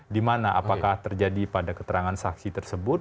dimana apakah terjadi pada keterangan saksi tersebut